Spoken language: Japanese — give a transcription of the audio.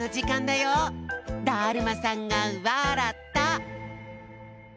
だるまさんがわらった！